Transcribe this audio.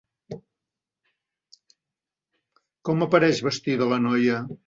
Com apareix vestida la noia?